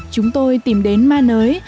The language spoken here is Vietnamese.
chúng tôi tìm đến ma nới